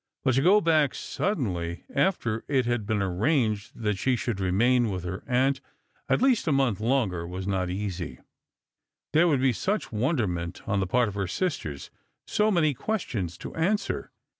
But to go back suddenly, after it had been arranged that she should remain with her aunt at least a month longer, was not easy. There would be such wonderment on the part of her sisters, so many questions to answer.